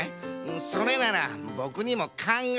それならボクにもかんがえがあるで！